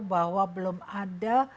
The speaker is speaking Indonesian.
bahwa belum ada